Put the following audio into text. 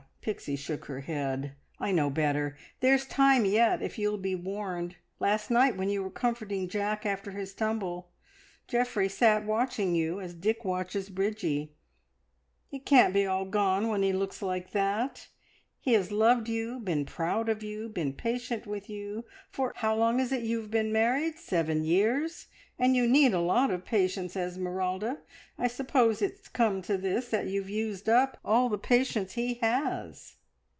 Pixie shook her head. "I know better. There's time yet, if you'll be warned. Last night, when you were comforting Jack after his tumble, Geoffrey sat watching you as Dick watches Bridgie. It can't be all gone, when he looks like that. He has loved you, been proud of you, been patient with you for how long is it you have been married? Seven years, and you need a lot of patience, Esmeralda! I suppose it's come to this that you've used up all the patience he has."